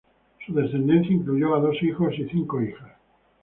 Su descendencia incluyó a dos hijos y cinco hijas.